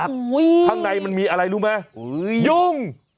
ข้างในมันมีอะไรรู้ไหมยุ่ง